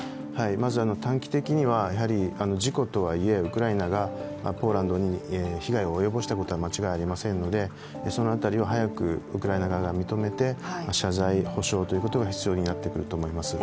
まず短期的には、やはり事故とはいえウクライナがポーランドに被害を及ぼしたことは間違いありませんので、その辺りを早くウクライナ側が認めて謝罪保障ということが必要になってくると思います。